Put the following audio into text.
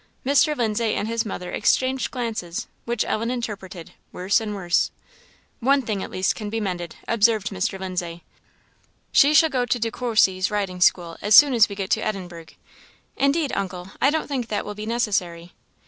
Mr. Lindsay and his mother exchanged glances, which Ellen interpreted, "Worse and worse." "One thing at least can be mended," observed Mr. Lindsay. "She shall go to De Courcy's riding school as soon as we get to Edinburgh." "Indeed, uncle, I don't think that will be necessary."